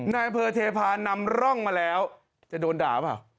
นายเผอร์เทพานนำร่องมาแล้วจะโดนด่าหรือเปล่า